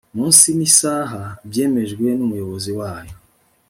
munsi n isaha byemejwe n umuyobozi wayo